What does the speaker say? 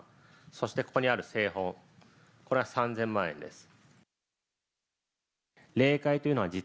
そして、ここにある聖本これは３０００万円です。